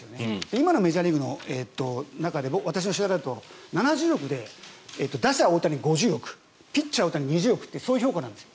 今のメジャーリーグの中で私の調べだと７０億で打者・大谷５０億ピッチャー・大谷２０億というそういう評価なんです。